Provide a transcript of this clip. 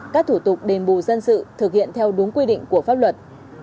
các thủ tục đền bù dân sự thực hiện theo đúng quy định của pháp luật